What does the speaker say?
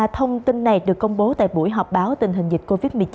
thông tin này được công bố tại buổi họp báo tình hình dịch covid một mươi chín